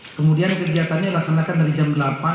kemudian kegiatannya laksanakan dari jam delapan